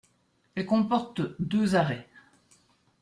Elle comporte deux arrêts.